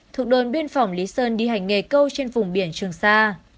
thuộc đồn biên phòng lý sơn đi hành nghề câu trên vùng biển trường sa